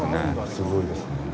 すごいですね。